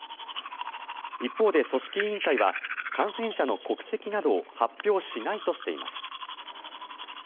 一方で、組織委員会は感染者の国籍などを発表しないとしています。